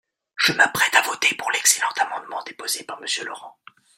Je m’apprête à voter pour l’excellent amendement déposé par Monsieur Laurent.